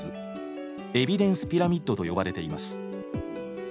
「エビデンスピラミッド」と呼ばれています。